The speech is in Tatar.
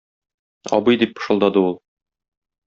Абый! - дип пышылдады ул.